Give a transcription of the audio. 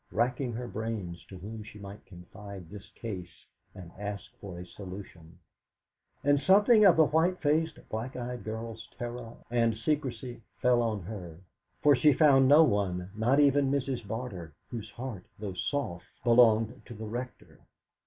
racking her brains to whom she might confide this case and ask for a solution; and something of the white faced, black eyed girl's terror and secrecy fell on her, for, she found no one not even Mrs. Barter, whose heart, though soft, belonged to the Rector.